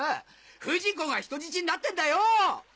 不二子が人質になってんだよ！